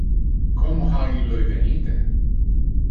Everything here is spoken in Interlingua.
Como ha illo evenite?